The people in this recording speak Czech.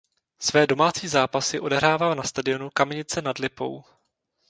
Své domácí zápasy odehrává na stadionu Kamenice nad Lipou.